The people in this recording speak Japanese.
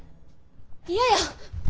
嫌や！